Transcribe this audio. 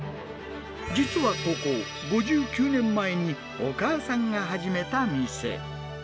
実はここ、５９年前にお母さんが始めた店。